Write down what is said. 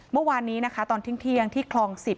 เมื่อวานนี้นะคะตอนเที่ยงที่คลอง๑๐